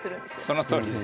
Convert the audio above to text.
そのとおりです。